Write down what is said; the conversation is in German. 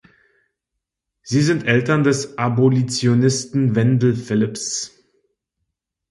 Sie sind Eltern des Abolitionisten Wendell Phillips.